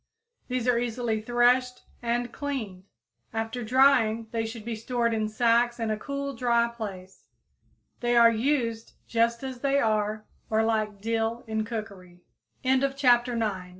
These are easily threshed and cleaned. After drying they should be stored in sacks in a cool, dry place. They are used just as they are or like dill in cookery. =Hoarhound=, or =horehound= (_Marrubium vulgar